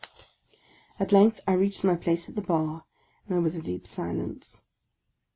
At length I reached my place at the bar, and there was a deep silence.